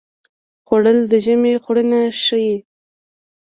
خوړل د ژمي خوړینه ښيي